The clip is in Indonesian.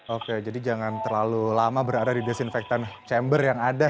oke jadi jangan terlalu lama berada di desinfektan chamber yang ada